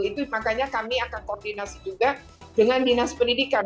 itu makanya kami akan koordinasi juga dengan dinas pendidikan